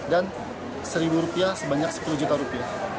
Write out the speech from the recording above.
dan rp satu sebanyak rp sepuluh